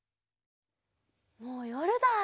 もうよるだ。